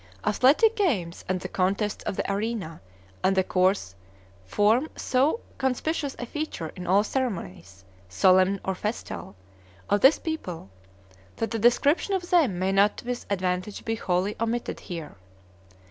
Athletic games and the contests of the arena and the course form so conspicuous a feature in all ceremonies, solemn or festal, of this people, that a description of them may not with advantage be wholly omitted here.